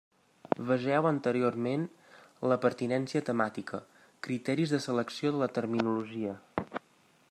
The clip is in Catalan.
Vegeu anteriorment La pertinència temàtica: criteris de selecció de la terminologia.